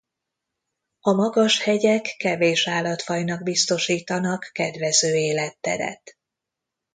A magas hegyek kevés állatfajnak biztosítanak kedvező életteret.